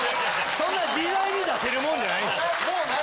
そんな自在に出せるもんじゃないんですよ。